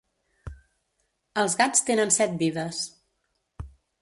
Els gats tenen set vides.